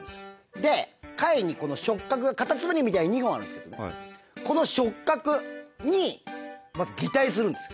で貝に触角がカタツムリみたいに２本あるんですけどこの触角にまず擬態するんです。